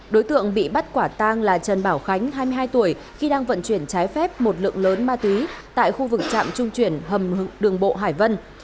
đối tượng bị bắt quả tang là trần bảo khánh hai mươi hai tuổi khi đang vận chuyển trái phép một lượng lớn ma túy tại khu vực trạm trung chuyển đường bộ hải vân